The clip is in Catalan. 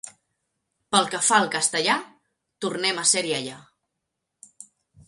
Pel que fa al castellà, tornem a ser-hi allà.